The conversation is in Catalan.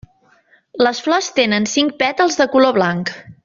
Les flors tenen cinc pètals de color blanc.